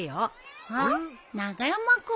あっ長山君。